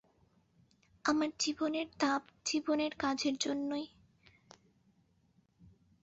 আমার জীবনের তাপ জীবনের কাজের জন্যেই।